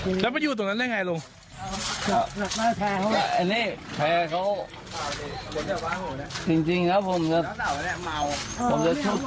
เหมาะด้วยเร็วนอนกับคุณตาเลยแต่โอ้ขอบคุณพี่งักเลยขอบคุณ